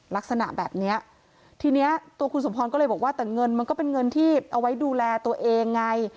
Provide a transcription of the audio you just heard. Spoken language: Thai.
ลักษณะแบบเนี้ยทีเนี้ยตัวคุณสมพรก็เลยบอกว่าแต่เงินมันก็เป็นเงินที่เอาไว้ดูแลตัวเองไง